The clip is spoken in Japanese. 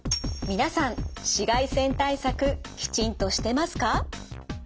皆さん紫外線対策きちんとしてますか？